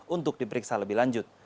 untuk diperiksa lebih lanjut